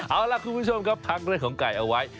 เอาล่ะคุณผู้ชมครับพักเรื่องของไก่เอาไว้